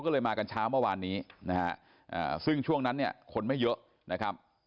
ก็เลยมากันเช้าเมื่อวานนี้นะฮะซึ่งช่วงนั้นเนี่ยคนไม่เยอะนะครับ